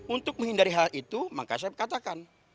untuk menghindari hal itu maka saya katakan